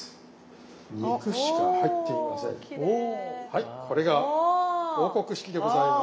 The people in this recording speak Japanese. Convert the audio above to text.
はいこれが王国式でございます。